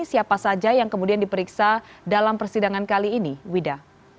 siapa saja yang kemudian diperiksa dalam persidangan kali ini wida